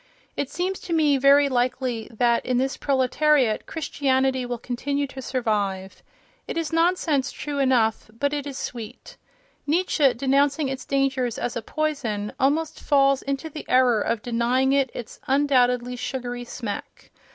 It seems to me very likely that, in this proletariat, Christianity will continue to survive. It is nonsense, true enough, but it is sweet. Nietzsche, denouncing its dangers as a poison, almost falls into the error of denying it its undoubtedly sugary smack.